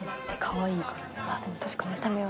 でも確かに見た目は。